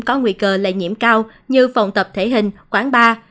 có nguy cơ lây nhiễm cao như phòng tập thể hình quán bar